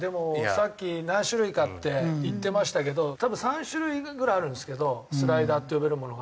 さっき「何種類か」って言ってましたけど多分３種類ぐらいあるんですけどスライダーって呼べるものが。